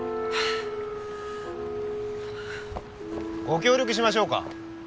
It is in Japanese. ご協力しましょうか？